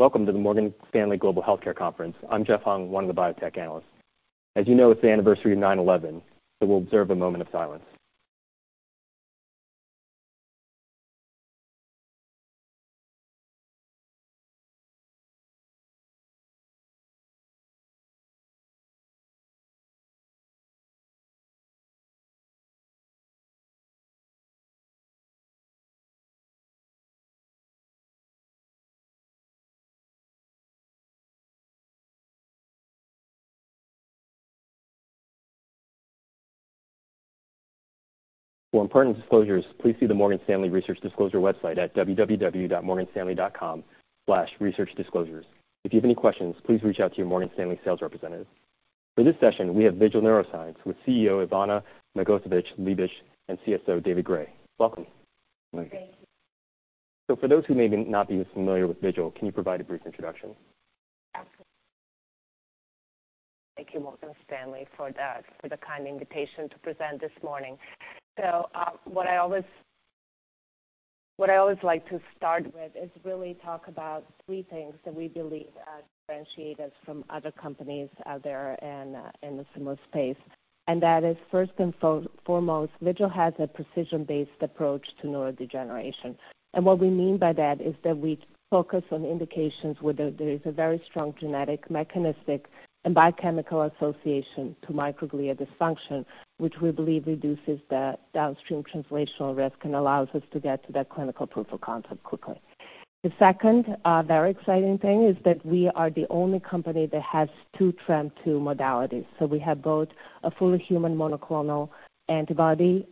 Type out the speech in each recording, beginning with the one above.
Welcome to the Morgan Stanley Global Healthcare Conference. I'm Jeff Hung, one of the biotech analysts. As you know, it's the anniversary of 9/11, so we'll observe a moment of silence. For important disclosures, please see the Morgan Stanley Research Disclosure website at www.morganstanley.com/researchdisclosures. If you have any questions, please reach out to your Morgan Stanley sales representative. For this session, we have Vigil Neuroscience with CEO Ivana Magovčević-Liebisch and CSO David Gray. Welcome. Thank you. So for those who may not be as familiar with Vigil, can you provide a brief introduction? Thank you, Morgan Stanley, for that, for the kind invitation to present this morning. So, what I always like to start with is really talk about three things that we believe differentiate us from other companies out there and in the similar space. And that is first and foremost, Vigil has a precision-based approach to neurodegeneration. And what we mean by that is that we focus on indications where there is a very strong genetic, mechanistic and biochemical association to microglia dysfunction, which we believe reduces the downstream translational risk and allows us to get to that clinical proof of concept quickly. The second, very exciting thing is that we are the only company that has two TREM2 modalities. So we have both a fully human monoclonal antibody,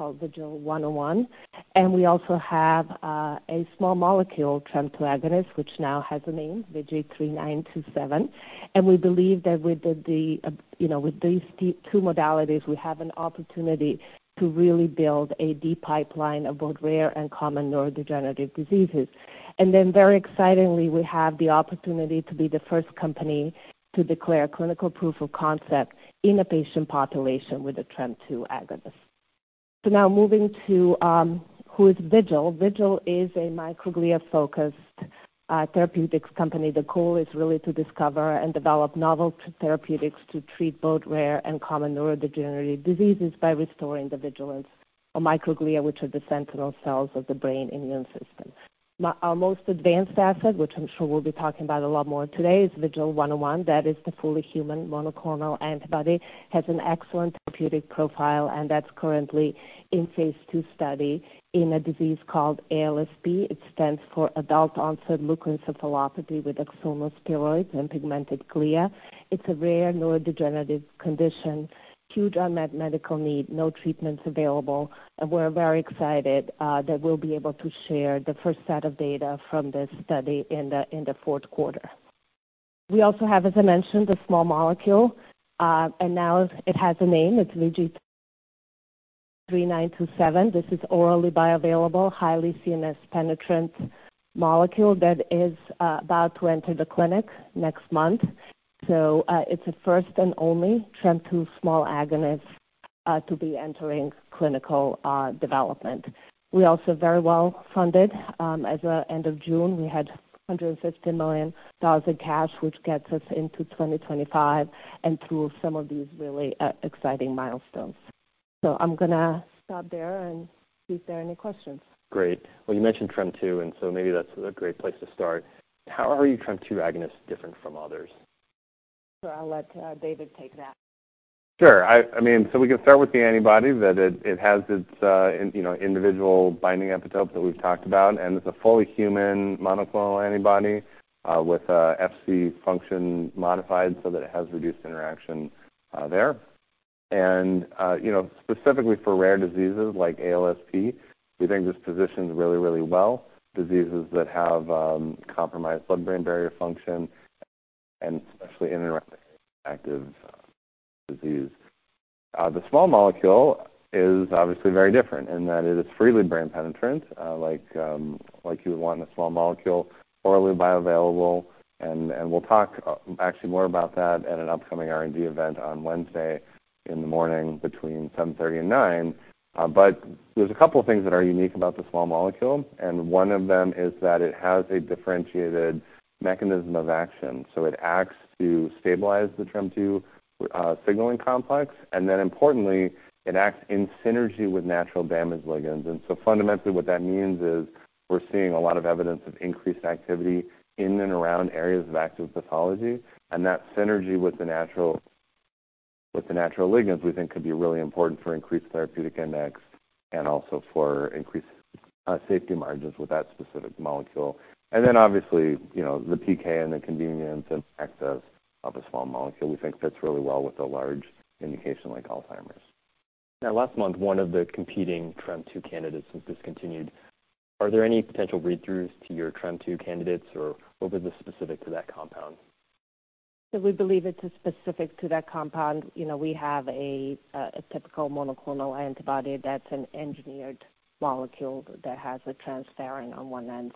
called VGL101, and we also have a small molecule TREM2 agonist, which now has a name, VG-3927. And we believe that with the you know with these two modalities, we have an opportunity to really build a deep pipeline of both rare and common neurodegenerative diseases. And then, very excitingly, we have the opportunity to be the first company to declare clinical proof of concept in a patient population with a TREM2 agonist. So now moving to who is Vigil? Vigil is a microglia-focused therapeutics company. The goal is really to discover and develop novel therapeutics to treat both rare and common neurodegenerative diseases by restoring the vigilance of microglia, which are the sentinel cells of the brain immune system. Our most advanced asset, which I'm sure we'll be talking about a lot more today, is VGL101. That is the fully human monoclonal antibody, has an excellent therapeutic profile, and that's currently in phase 2 study in a disease called ALSP. It stands for adult-onset leukoencephalopathy with axonal spheroids and pigmented glia. It's a rare neurodegenerative condition, huge unmet medical need, no treatments available, and we're very excited that we'll be able to share the first set of data from this study in the fourth quarter. We also have, as I mentioned, a small molecule, and now it has a name. It's VG-3927. This is orally bioavailable, highly CNS penetrant molecule that is about to enter the clinic next month. So, it's a first and only TREM2 small agonist to be entering clinical development. We're also very well funded. As of end of June, we had $150 million in cash, which gets us into 2025 and through some of these really exciting milestones. So I'm gonna stop there and see if there are any questions. Great. Well, you mentioned TREM2, and so maybe that's a great place to start. How are you TREM2 agonists different from others? I'll let David take that. Sure. I mean, so we can start with the antibody that it has its you know individual binding epitopes that we've talked about, and it's a fully human monoclonal antibody with a Fc function modified so that it has reduced interaction there. And you know specifically for rare diseases like ALSP, we think this positions really really well diseases that have compromised blood-brain barrier function and especially in interactive disease. The small molecule is obviously very different in that it is freely brain penetrant like you would want in a small molecule, orally bioavailable. And we'll talk actually more about that at an upcoming R&D event on Wednesday in the morning between 7:30 A.M. and 9:00 A.M. But there's a couple of things that are unique about the small molecule, and one of them is that it has a differentiated mechanism of action. So it acts to stabilize the TREM2 signaling complex, and then importantly, it acts in synergy with natural damage ligands. And so fundamentally, what that means is we're seeing a lot of evidence of increased activity in and around areas of active pathology. And that synergy with the natural, with the natural ligands, we think, could be really important for increased therapeutic index and also for increased safety margins with that specific molecule. And then obviously, you know, the PK and the convenience and access of a small molecule we think fits really well with a large indication like Alzheimer's. Now, last month, one of the competing TREM2 candidates was discontinued. Are there any potential read-throughs to your TREM2 candidates, or were they specific to that compound? We believe it's specific to that compound. You know, we have a typical monoclonal antibody that's an engineered molecule that has a transferrin on one end.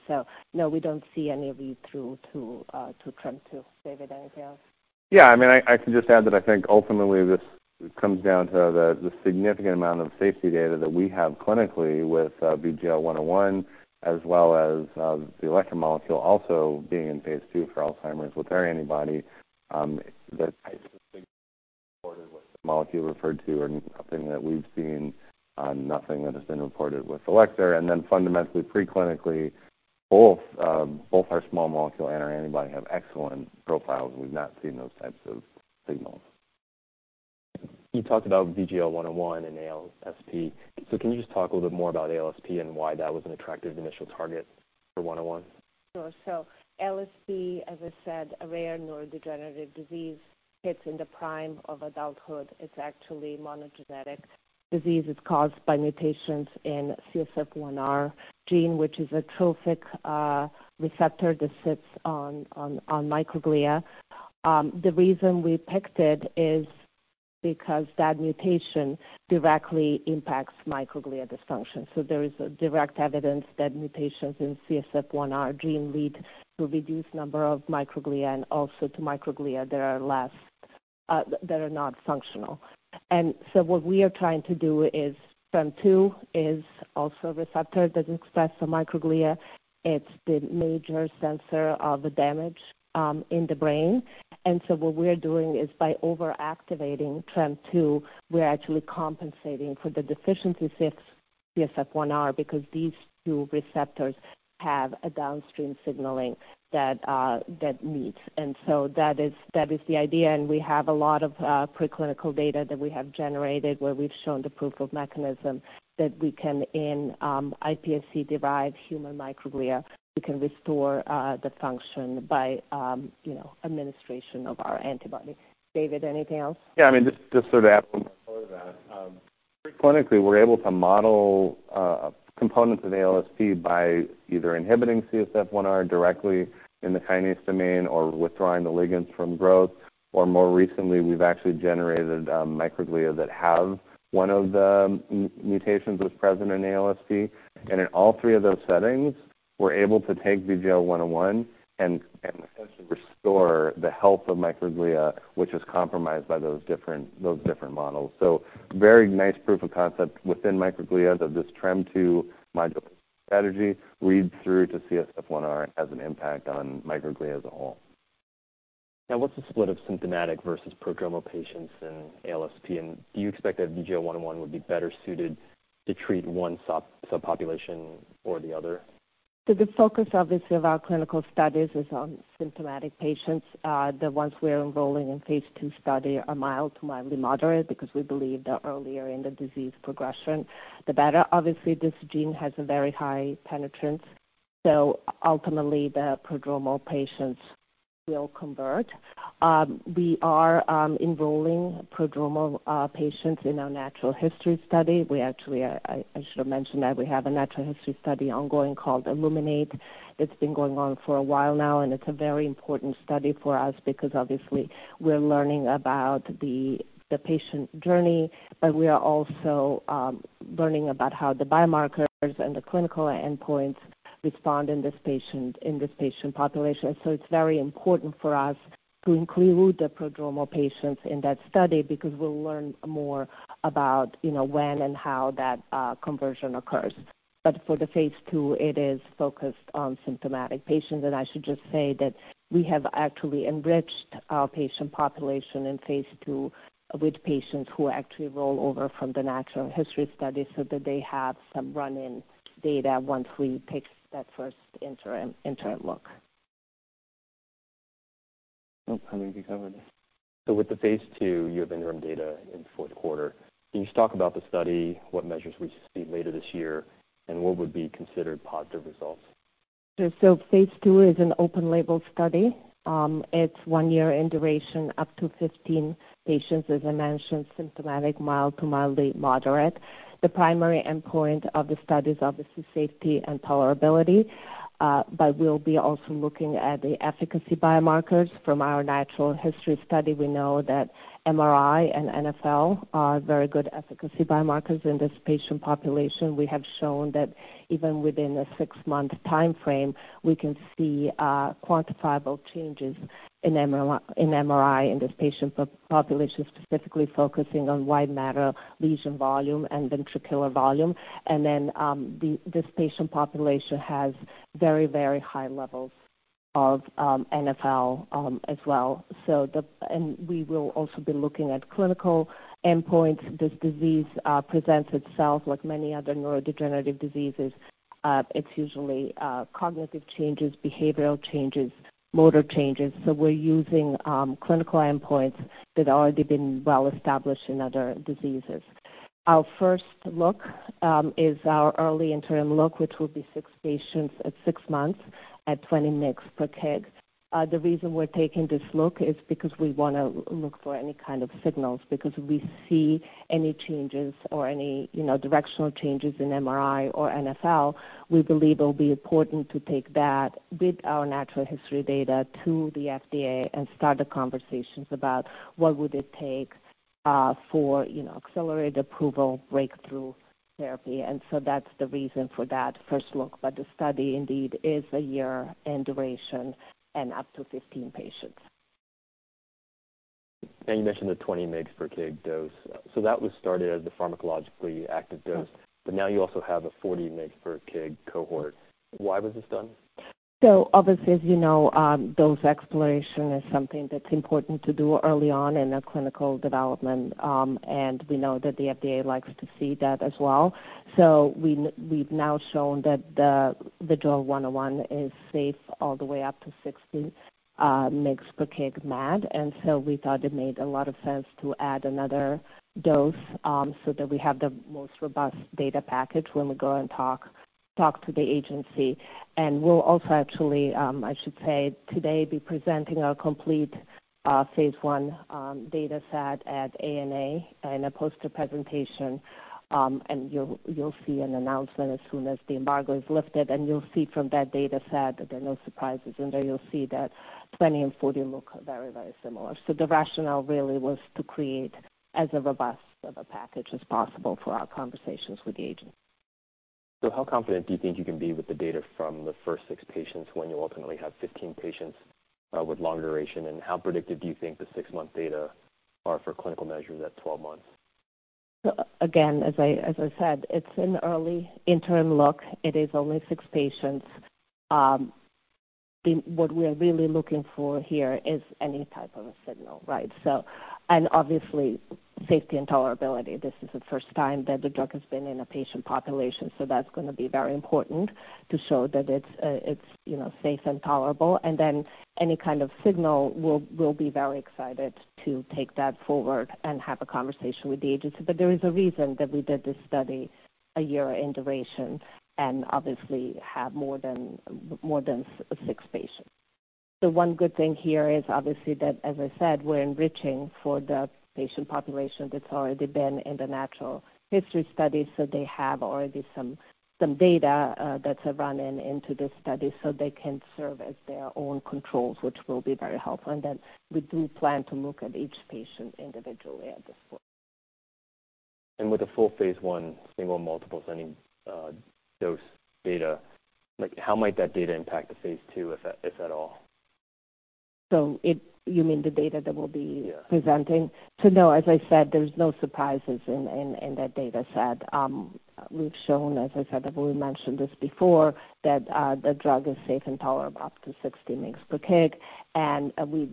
No, we don't see any read-through to TREM2. David, anything else? ...Yeah, I mean, I, I can just add that I think ultimately this comes down to the, the significant amount of safety data that we have clinically with VGL101, as well as the Alector molecule also being in phase 2 for Alzheimer's with our antibody. That molecule referred to are nothing that we've seen, nothing that has been reported with Alector. And then fundamentally, preclinically, both both our small molecule and our antibody have excellent profiles. We've not seen those types of signals. You talked about VGL101 and ALSP. So can you just talk a little bit more about ALSP and why that was an attractive initial target for 101? Sure. So ALSP, as I said, a rare neurodegenerative disease, hits in the prime of adulthood. It's actually monogenetic disease. It's caused by mutations in CSF1R gene, which is a trophic receptor that sits on microglia. The reason we picked it is because that mutation directly impacts microglia dysfunction. So there is a direct evidence that mutations in CSF1R gene lead to reduced number of microglia and also to microglia that are less functional. And so what we are trying to do is, TREM2 is also a receptor that is expressed on the microglia. It's the major sensor of the damage in the brain. And so what we're doing is by overactivating TREM2, we're actually compensating for the CSF1R deficiency, because these two receptors have a downstream signaling that meets. And so that is, that is the idea, and we have a lot of preclinical data that we have generated, where we've shown the proof of mechanism that we can in iPSC-derived human microglia, we can restore the function by, you know, administration of our antibody. David, anything else? Yeah, I mean, just to add on more to that. Preclinically, we're able to model components of ALSP by either inhibiting CSF1R directly in the kinase domain or withdrawing the ligands from growth. Or more recently, we've actually generated microglia that have one of the mutations that's present in ALSP. And in all three of those settings, we're able to take VGL101 and essentially restore the health of microglia, which is compromised by those different models. So very nice proof of concept within microglia, that this TREM2 module strategy reads through to CSF1R, has an impact on microglia as a whole. Now, what's the split of symptomatic versus prodromal patients in ALSP? And do you expect that VGL101 would be better suited to treat one subpopulation or the other? So the focus, obviously, of our clinical studies is on symptomatic patients. The ones we are enrolling in phase 2 study are mild to mildly moderate because we believe that earlier in the disease progression, the better. Obviously, this gene has a very high penetrance, so ultimately the prodromal patients will convert. We are enrolling prodromal patients in our natural history study. We actually, I should have mentioned that we have a natural history study ongoing called ILLUMINATE. That's been going on for a while now, and it's a very important study for us because obviously we're learning about the patient journey, but we are also learning about how the biomarkers and the clinical endpoints respond in this patient population. It's very important for us to include the prodromal patients in that study because we'll learn more about, you know, when and how that conversion occurs. But for the phase 2, it is focused on symptomatic patients. I should just say that we have actually enriched our patient population in phase 2 with patients who actually roll over from the natural history study so that they have some run-in data once we take that first interim, interim look. Oh, I think we covered it. So with the phase two, you have interim data in the fourth quarter. Can you just talk about the study, what measures we see later this year, and what would be considered positive results? So phase 2 is an open label study. It's one year in duration, up to 15 patients, as I mentioned, symptomatic, mild to mildly moderate. The primary endpoint of the study is obviously safety and tolerability, but we'll be also looking at the efficacy biomarkers. From our natural history study, we know that MRI and NfL are very good efficacy biomarkers in this patient population. We have shown that even within a six-month timeframe, we can see quantifiable changes in MRI in this patient population, specifically focusing on white matter lesion volume, and ventricular volume. And then, this patient population has very, very high levels of NfL as well. And we will also be looking at clinical endpoints. This disease presents itself like many other neurodegenerative diseases. It's usually cognitive changes, behavioral changes, motor changes. So we're using clinical endpoints that have already been well established in other diseases. Our first look is our early interim look, which will be 6 patients at 6 months at 20 mg per kg. The reason we're taking this look is because we wanna look for any kind of signals, because if we see any changes or any, you know, directional changes in MRI or NfL, we believe it will be important to take that with our natural history data to the FDA and start the conversations about what would it take for, you know, accelerated approval, breakthrough therapy. And so that's the reason for that first look. But the study indeed is a year in duration and up to 15 patients. You mentioned the 20 mg/kg dose. That was started as the pharmacologically active dose, but now you also have a 40 mg/kg cohort. Why was this done? So obviously, as you know, dose exploration is something that's important to do early on in a clinical development, and we know that the FDA likes to see that as well. So we've now shown that the drug 101 is safe all the way up to 60 mg/kg MAD. And so we thought it made a lot of sense to add another dose, so that we have the most robust data package when we go and talk to the agency. And we'll also actually, I should say, today, be presenting our complete phase 1 data set at ANA in a poster presentation. And you'll see an announcement as soon as the embargo is lifted, and you'll see from that data set that there are no surprises in there. You'll see that 20 and 40 look very, very similar. So the rationale really was to create as robust a package as possible for our conversations with the agency. So how confident do you think you can be with the data from the first six patients, when you ultimately have 15 patients with long duration? And how predictive do you think the six-month data are for clinical measures at 12 months? So again, as I said, it's an early interim look. It is only 6 patients. What we are really looking for here is any type of a signal, right? So... And obviously, safety and tolerability. This is the first time that the drug has been in a patient population, so that's going to be very important to show that it's, you know, safe and tolerable, and then any kind of signal, we'll be very excited to take that forward and have a conversation with the agency. But there is a reason that we did this study 1 year in duration and obviously have more than 6 patients. The one good thing here is obviously that, as I said, we're enriching for the patient population that's already been in the natural history study. So they have already some data that's running into this study, so they can serve as their own controls, which will be very helpful. And then we do plan to look at each patient individually at this point. With a full phase 1, single, multiple ascending dose data, like, how might that data impact the phase 2, if at all? You mean the data that we'll be- Yeah. -presenting? So no, as I said, there's no surprises in that data set. We've shown, as I said, I've already mentioned this before, that the drug is safe and tolerable up to 60 mg/kg, and we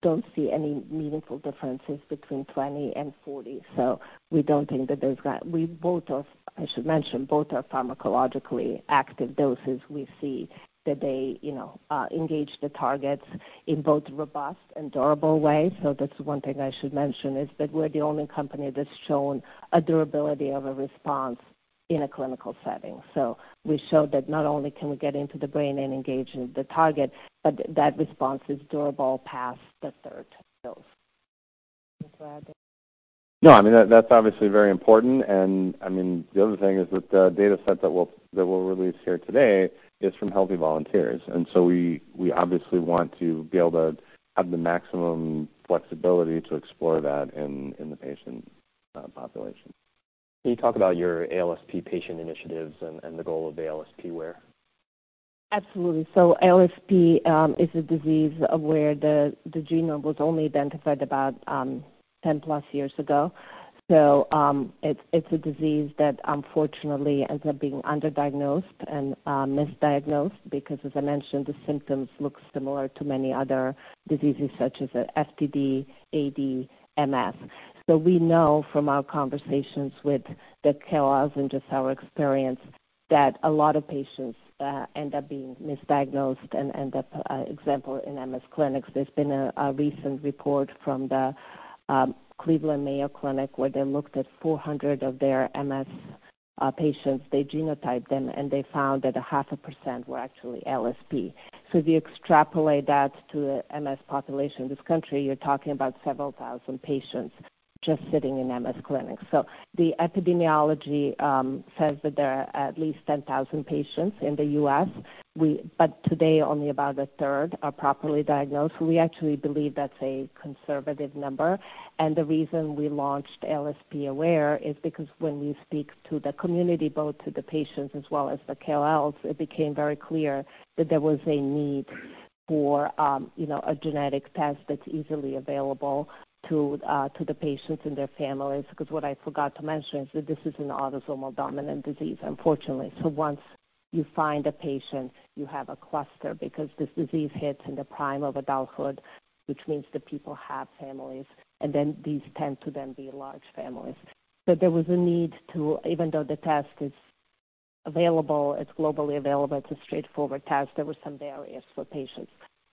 don't see any meaningful differences between 20 and 40. So we don't think that there's got-- We both are, I should mention, both are pharmacologically active doses. We see that they, you know, engage the targets in both robust and durable ways. So that's one thing I should mention, is that we're the only company that's shown a durability of a response in a clinical setting. So we showed that not only can we get into the brain and engage the target, but that response is durable past the third dose. No, I mean, that's obviously very important. I mean, the other thing is that the data set that we'll release here today is from healthy volunteers. So we obviously want to be able to have the maximum flexibility to explore that in the patient population. Can you talk about your ALSP patient initiatives and the goal of the ALSPaware? Absolutely. ALSP is a disease where the genome was only identified about 10+ years ago. It's a disease that unfortunately ends up being underdiagnosed and misdiagnosed, because, as I mentioned, the symptoms look similar to many other diseases, such as FTD, AD, MS. We know from our conversations with the KOLs and just our experience, that a lot of patients end up being misdiagnosed and end up, for example, in MS clinics. There's been a recent report from the Cleveland Clinic and Mayo Clinic, where they looked at 400 of their MS patients. They genotyped them, and they found that 0.5% were actually ALSP. If you extrapolate that to the MS population in this country, you're talking about several thousand patients just sitting in MS clinics. So the epidemiology says that there are at least 10,000 patients in the U.S. But today, only about a third are properly diagnosed. We actually believe that's a conservative number. And the reason we launched ALSPaware is because when we speak to the community, both to the patients as well as the KOLs, it became very clear that there was a need for, you know, a genetic test that's easily available to the patients and their families. Because what I forgot to mention is that this is an autosomal dominant disease, unfortunately. So once you find a patient, you have a cluster, because this disease hits in the prime of adulthood, which means the people have families, and then these tend to then be large families. So there was a need to, even though the test is available, it's globally available, it's a straightforward test, there were some barriers for patients.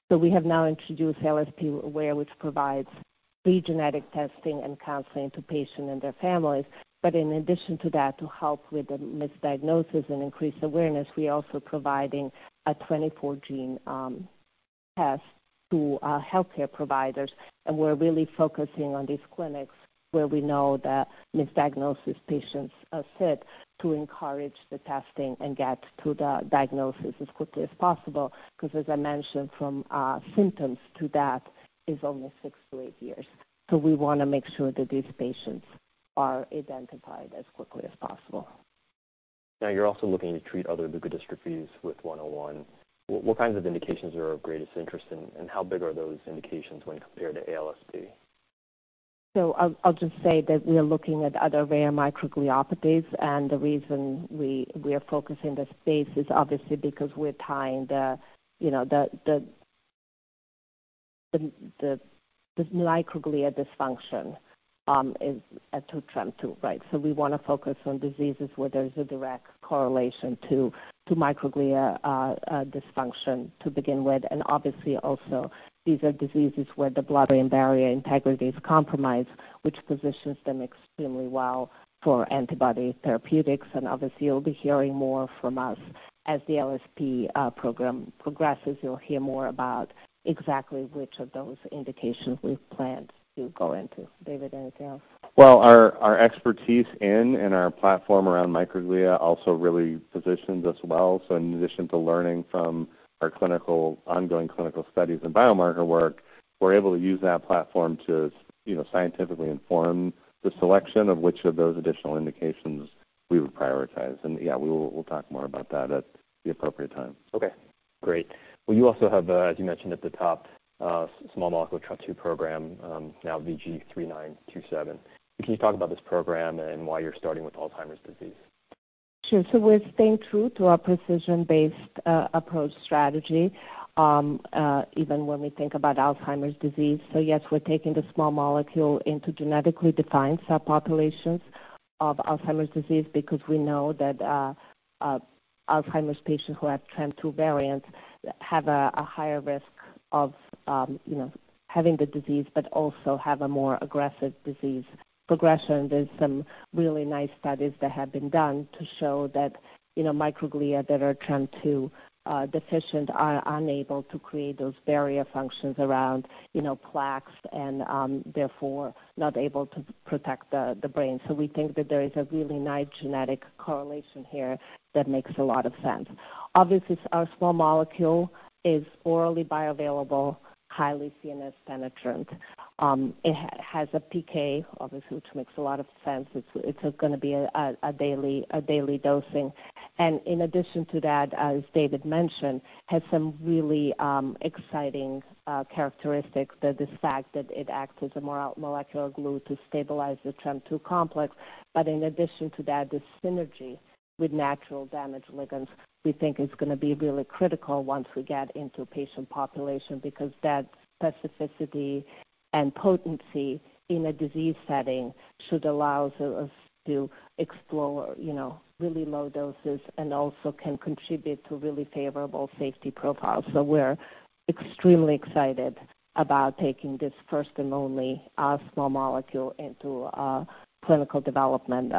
So we have now introduced ALSPaware, which provides free genetic testing and counseling to patients and their families. But in addition to that, to help with the misdiagnosis and increase awareness, we are also providing a 24-gene test to healthcare providers. And we're really focusing on these clinics where we know that misdiagnosis patients are fit to encourage the testing and get to the diagnosis as quickly as possible, because as I mentioned, from symptoms to that is only 6-8 years. So we want to make sure that these patients are identified as quickly as possible.... Now, you're also looking to treat other leukodystrophies with 101. What, what kinds of indications are of greatest interest, and, and how big are those indications when compared to ALSP? So I'll just say that we are looking at other rare microgliopathies, and the reason we are focusing this space is obviously because we're tying the, you know, the microglia dysfunction is to TREM2, right? So we want to focus on diseases where there's a direct correlation to microglia dysfunction to begin with. And obviously, also, these are diseases where the blood-brain barrier integrity is compromised, which positions them extremely well for antibody therapeutics. And obviously, you'll be hearing more from us. As the ALSP program progresses, you'll hear more about exactly which of those indications we plan to go into. David, anything else? Well, our expertise in and our platform around microglia also really positions us well. So in addition to learning from our ongoing clinical studies and biomarker work, we're able to use that platform to, you know, scientifically inform the selection of which of those additional indications we would prioritize. And yeah, we'll talk more about that at the appropriate time. Okay, great. Well, you also have, as you mentioned at the top, small molecule TREM2 program, now VG-3927. Can you talk about this program and why you're starting with Alzheimer's disease? Sure. So we're staying true to our precision-based approach strategy, even when we think about Alzheimer's disease. So yes, we're taking the small molecule into genetically defined subpopulations of Alzheimer's disease because we know that Alzheimer's patients who have TREM2 variants have a higher risk of, you know, having the disease, but also have a more aggressive disease progression. There's some really nice studies that have been done to show that, you know, microglia that are TREM2 deficient are unable to create those barrier functions around, you know, plaques and therefore not able to protect the brain. So we think that there is a really nice genetic correlation here that makes a lot of sense. Obviously, our small molecule is orally bioavailable, highly CNS penetrant. It has a PK, obviously, which makes a lot of sense. It's going to be a daily dosing, and in addition to that, as David mentioned, has some really exciting characteristics. The fact that it acts as a molecular glue to stabilize the TREM2 complex. But in addition to that, the synergy with natural damage ligands, we think is going to be really critical once we get into patient population, because that specificity and potency in a disease setting should allow us to explore, you know, really low doses and also can contribute to really favorable safety profiles. So we're extremely excited about taking this first and only small molecule into clinical development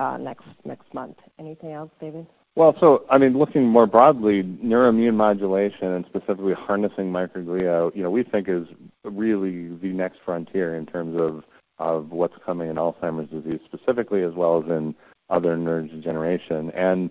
next month. Anything else, David? Well, so, I mean, looking more broadly, neuroimmune modulation and specifically harnessing microglia, you know, we think is really the next frontier in terms of, of what's coming in Alzheimer's disease, specifically, as well as in other neurodegeneration. And,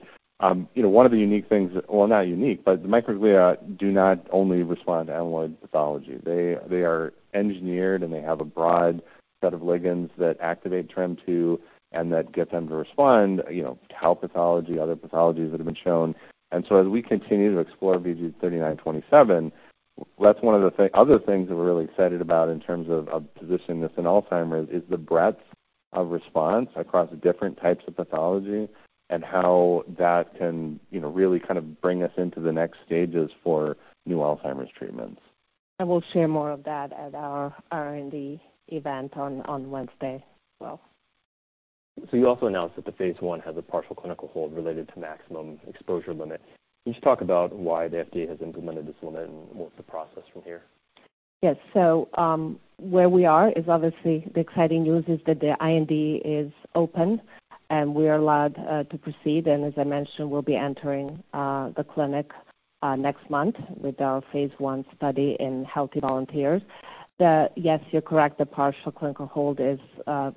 you know, one of the unique things, well, not unique, but the microglia do not only respond to amyloid pathology. They, they are engineered, and they have a broad set of ligands that activate TREM2 and that get them to respond, you know, to tau pathology, other pathologies that have been shown. And so as we continue to explore VG-3927, that's one of the other things that we're really excited about in terms of, of positioning this in Alzheimer's, is the breadth of response across different types of pathology and how that can, you know, really kind of bring us into the next stages for new Alzheimer's treatments. I will share more of that at our R&D event on Wednesday as well. So you also announced that the phase 1 has a partial clinical hold related to maximum exposure limit. Can you just talk about why the FDA has implemented this limit and what's the process from here? Yes. So, where we are is obviously the exciting news is that the IND is open, and we are allowed to proceed. And as I mentioned, we'll be entering the clinic next month with our phase one study in healthy volunteers. Yes, you're correct. The partial clinical hold is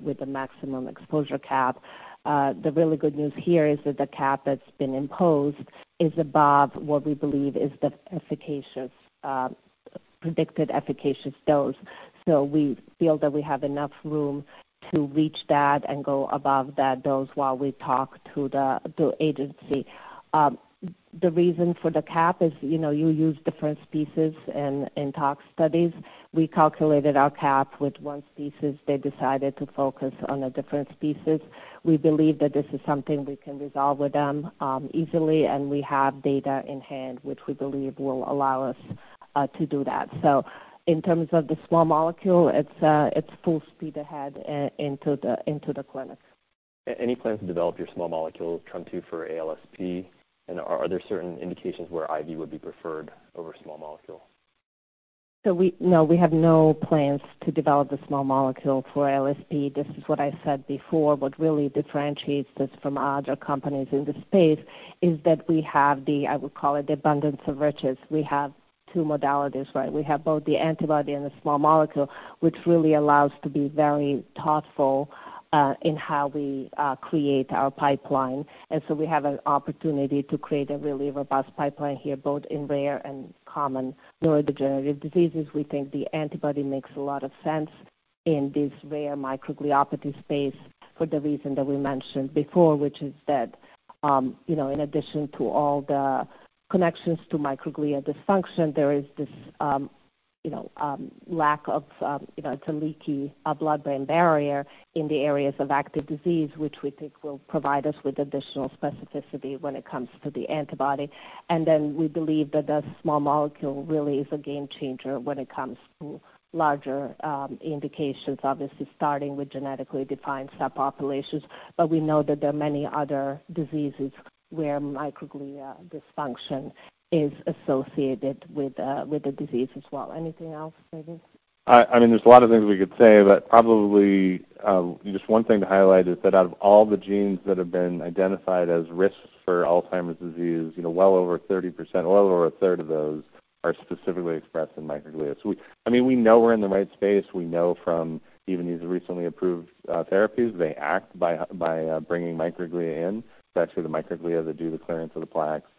with the maximum exposure cap. The really good news here is that the cap that's been imposed is above what we believe is the efficacious predicted efficacious dose. So we feel that we have enough room to reach that and go above that dose while we talk to the agency. The reason for the cap is, you know, you use different species in tox studies. We calculated our cap with one species. They decided to focus on a different species. We believe that this is something we can resolve with them, easily, and we have data in hand, which we believe will allow us, to do that. So in terms of the small molecule, it's, it's full speed ahead into the clinic. Any plans to develop your small molecule TREM2 for ALSP? And are there certain indications where IV would be preferred over small molecule? So we—no, we have no plans to develop the small molecule for ALSP. This is what I said before. What really differentiates this from other companies in this space is that we have the, I would call it, the abundance of riches. We have two modalities, right? We have both the antibody and the small molecule, which really allows to be very thoughtful, in how we, create our pipeline. And so we have an opportunity to create a really robust pipeline here, both in rare and common neurodegenerative diseases. We think the antibody makes a lot of sense... In this rare microgliopathy space for the reason that we mentioned before, which is that, you know, in addition to all the connections to microglia dysfunction, there is this, you know, lack of, you know, it's a leaky blood-brain barrier in the areas of active disease, which we think will provide us with additional specificity when it comes to the antibody. And then we believe that the small molecule really is a game changer when it comes to larger indications, obviously starting with genetically defined subpopulations. But we know that there are many other diseases where microglia dysfunction is associated with, with the disease as well. Anything else, David? I mean, there's a lot of things we could say, but probably just one thing to highlight is that out of all the genes that have been identified as risks for Alzheimer's disease, you know, well over 30%, well over a third of those are specifically expressed in microglia. So we, I mean, we know we're in the right space. We know from even these recently approved therapies, they act by bringing microglia in. It's actually the microglia that do the clearance of the plaques.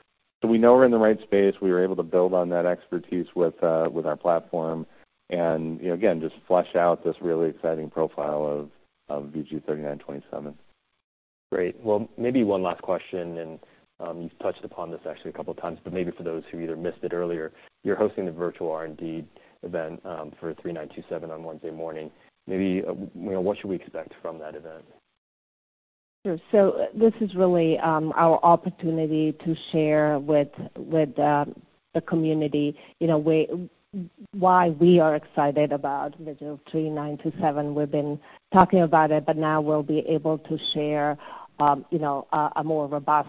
So we know we're in the right space. We were able to build on that expertise with our platform and, you know, again, just flesh out this really exciting profile of VG-3927. Great. Well, maybe one last question, and you've touched upon this actually a couple of times, but maybe for those who either missed it earlier, you're hosting the virtual R&D event for VG-3927 on Wednesday morning. Maybe, you know, what should we expect from that event? Sure. So this is really our opportunity to share with the community, you know, why we are excited about VG-3927. We've been talking about it, but now we'll be able to share, you know, a more robust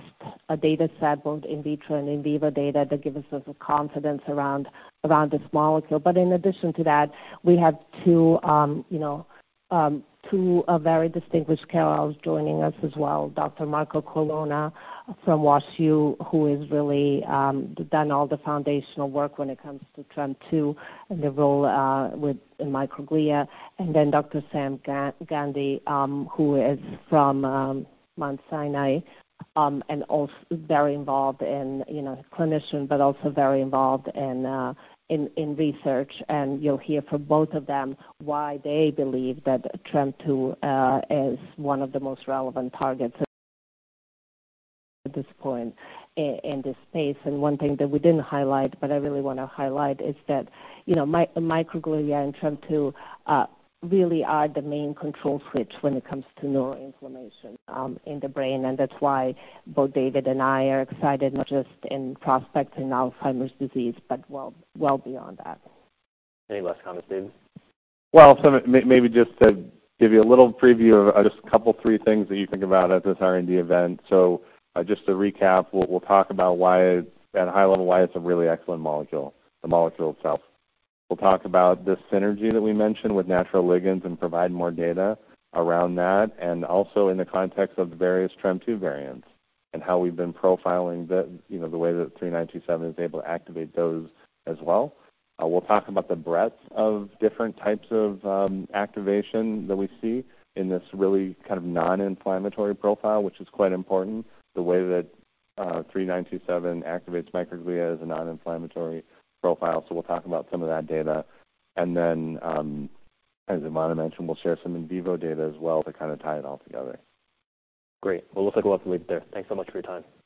data set, both in vitro and in vivo data, that gives us the confidence around this molecule. But in addition to that, we have two very distinguished KOLs joining us as well, Dr. Marco Colonna from WashU, who has really done all the foundational work when it comes to TREM2 and the role within microglia. And then Dr. Sam Gandy, who is from Mount Sinai, and also very involved in, you know, a clinician, but also very involved in research. You'll hear from both of them why they believe that TREM2 is one of the most relevant targets at this point in this space. One thing that we didn't highlight, but I really want to highlight, is that, you know, microglia and TREM2 really are the main control switch when it comes to neural inflammation in the brain. That's why both David and I are excited, not just in prospecting Alzheimer's disease, but well, well beyond that. Any last comments, David? Well, so maybe just to give you a little preview of just a couple, three things that you think about at this R&D event. So, just to recap, we'll talk about why, at a high level, why it's a really excellent molecule, the molecule itself. We'll talk about the synergy that we mentioned with natural ligands and provide more data around that, and also in the context of the various TREM2 variants and how we've been profiling the, you know, the way that 3927 is able to activate those as well. We'll talk about the breadth of different types of activation that we see in this really kind of non-inflammatory profile, which is quite important. The way that 3927 activates microglia is a non-inflammatory profile, so we'll talk about some of that data. And then, as Ivana mentioned, we'll share some in vivo data as well to kind of tie it all together. Great. Well, looks like we'll have to leave it there. Thanks so much for your time. Thank you.